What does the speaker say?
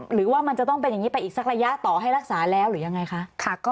หรือว่ามันจะต้องเป็นอย่างนี้ไปอีกสักระยะต่อให้รักษาแล้วหรือยังไงคะ